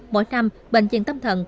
mỗi năm bệnh viện tâm thần tỉnh